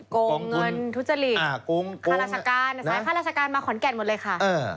โกงเงินทุจริตค่าราชการสายข้าราชการมาขอนแก่นหมดเลยค่ะ